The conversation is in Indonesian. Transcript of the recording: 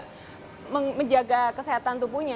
juga menjaga kesehatan tubuhnya